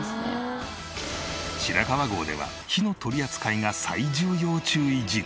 白川郷では火の取り扱いが最重要注意事項。